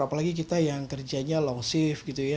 apalagi kita yang kerjanya long shift gitu ya